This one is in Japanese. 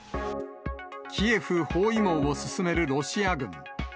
キエフ包囲網を進めるロシア軍。